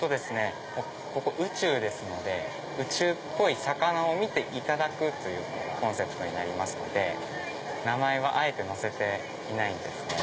ここ宇宙ですので宇宙っぽい魚を見ていただくというコンセプトになりますので名前はあえて載せていないんですね。